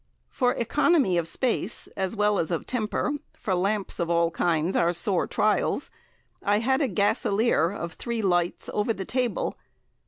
For economy of space as well as of temper (for lamps of all kinds are sore trials), I had a gasalier of three lights over the table.